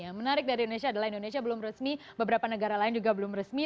yang menarik dari indonesia adalah indonesia belum resmi beberapa negara lain juga belum resmi